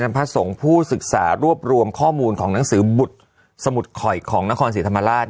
พระสงฆ์ผู้ศึกษารวบรวมข้อมูลของหนังสือบุตรสมุดข่อยของนครศรีธรรมราช